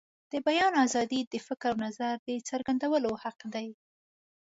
د بیان آزادي د فکر او نظر د څرګندولو حق دی.